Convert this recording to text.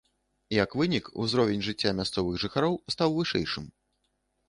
Як вынік, узровень жыцця мясцовых жыхароў стаў вышэйшым.